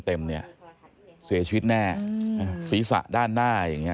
เสียชีวิตแน่ศีรษะด้านหน้าอย่างนี้